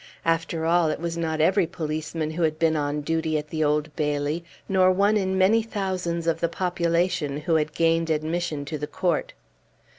After all, it was not every policeman who had been on duty at the Old Bailey, nor one in many thousands of the population who had gained admission to the court.